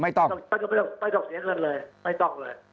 ไม่ต้องเสียเงินเลยไม่ต้องเลย